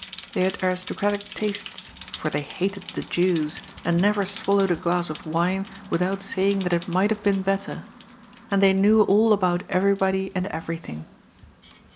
They had aristocratic tastes, for they hated the Jews, and never swallowed a glass of wine without say ing that it might have been better; and they knew all about everybody and everything.